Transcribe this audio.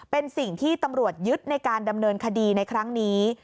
เป็นสิ่งที่ตำรวจยึดในการดำเนินคดีในครั้งนี้